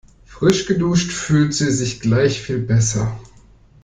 Frisch geduscht fühlt sie sich gleich viel besser.